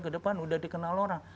ke depan udah dikenal orang